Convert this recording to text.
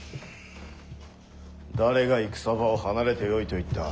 誰が戦場を離れてよいと言った。